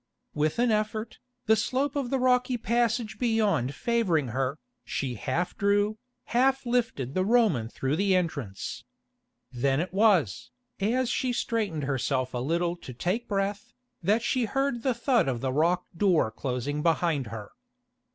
With an effort, the slope of the rocky passage beyond favouring her, she half drew, half lifted the Roman through the entrance. Then it was, as she straightened herself a little to take breath, that she heard the thud of the rock door closing behind her.